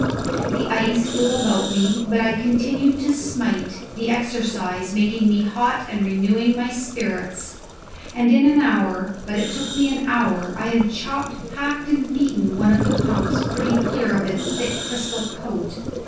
The ice flew about me, but I continued to smite, the exercise making me hot and renewing my spirits, and in an hour but it took me an hour I had chopped, hacked, and beaten one of the pumps pretty clear of its thick crystal coat.